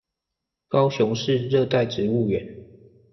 高雄市熱帶植物園